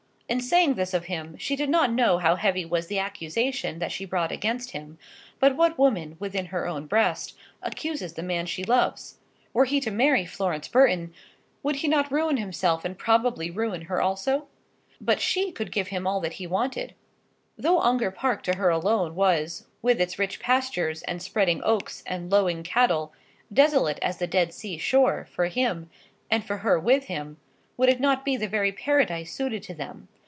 In saying this of him, she did not know how heavy was the accusation that she brought against him; but what woman, within her own breast, accuses the man she loves? Were he to marry Florence Burton, would he not ruin himself, and probably ruin her also? But she could give him all that he wanted. Though Ongar Park to her alone was, with its rich pastures and spreading oaks and lowing cattle, desolate as the Dead Sea shore, for him, and for her with him, would it not be the very paradise suited to them?